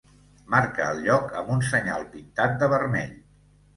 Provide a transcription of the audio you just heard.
Marca el lloc amb un senyal pintat de vermell.